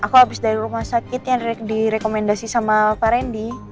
aku habis dari rumah sakit yang direkomendasi sama pak randy